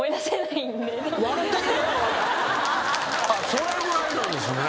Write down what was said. それぐらいなんですね。